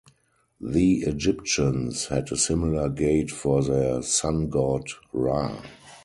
The Egyptians had a similar gate for their Sun-God, Ra.